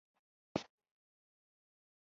شوروي ډوله اقتصاد د پانګوال نظام په پرتله غوره دی.